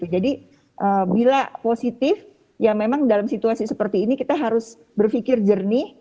jadi bila positif ya memang dalam situasi seperti ini kita harus berpikir jernih